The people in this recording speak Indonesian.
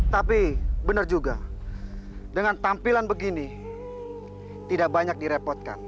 tapi benar juga dengan tampilan begini tidak banyak direpotkan